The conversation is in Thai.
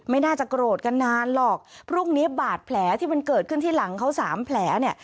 ไม่น่าจะโกรธกันนานหรอกพรุ่งนี้บาดแผลที่มันเกิดขึ้นที่หลังเขาสามแผลเนี่ย